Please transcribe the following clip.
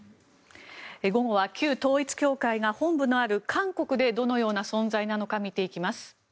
午後は旧統一教会が本部のある韓国でどのような存在なのか見ていきます。